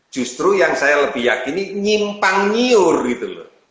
justru yang saya lebih yakini nyimpang nyiur gitu loh